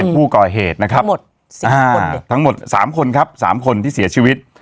ผู้ก่อเหตุนะครับทั้งหมด๓คนครับ๓คนที่เสียชีวิต